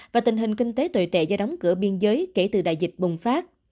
và tình hình kinh tế tồi tệ do đóng cửa biên giới kể từ đại dịch bùng phát